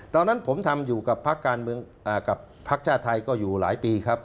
ตอนนั้นผมทำอยู่กับพักชาติไทยก็อยู่หลายปีครับ